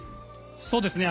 そうですね。